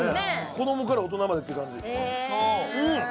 子供から大人までって感じへえうん